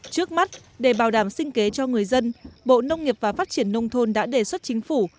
trước mắt để bảo đảm sinh kế cho người dân bộ nông nghiệp và phát triển nông thôn đã đề xuất chính phủ